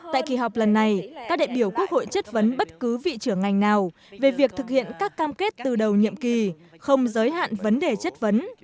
tại kỳ họp lần này các đại biểu quốc hội chất vấn bất cứ vị trưởng ngành nào về việc thực hiện các cam kết từ đầu nhiệm kỳ không giới hạn vấn đề chất vấn